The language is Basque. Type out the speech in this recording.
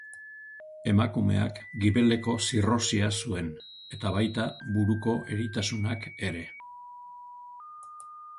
Emakumeak gibeleko zirrosia zuen, eta baita buruko eritasunak ere.